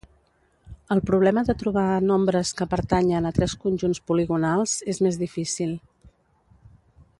El problema de trobar nombres que pertanyen a tres conjunts poligonals és més difícil.